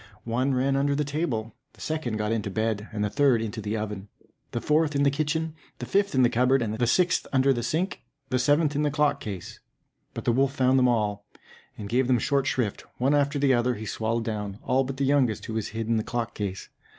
One ran under the table, the second got into the bed, the third into the oven, the fourth in the kitchen, the fifth in the cupboard, the sixth under the sink, the seventh in the clock case. But the wolf found them all, and gave them short shrift; one after the other he swallowed down, all but the youngest, who was hid in the clock case.